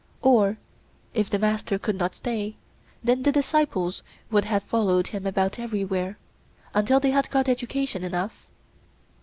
Or, if the master would not stay, then the disciples would have followed him about everywhere, until they had got education enough?